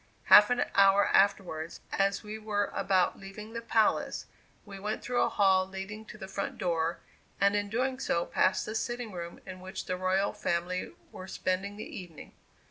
Half an hour afterwards, as we were about leaving the palace, we went through a hall leading to the front door, and in doing so passed the sitting room in which the royal family were spending the evening.